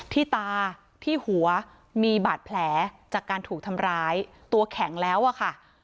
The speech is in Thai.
ที่ตาที่หัวมีบาดแผลจากการถูกทำร้ายตัวแข็งแล้วอะค่ะ